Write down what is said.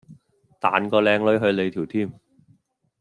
彈個靚女去你條 Team